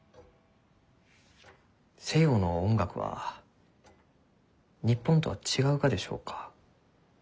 西洋の音楽は日本とは違うがでしょうか？